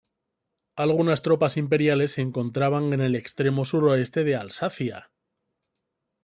Algunas tropas imperiales se encontraban en el extremo suroeste de Alsacia.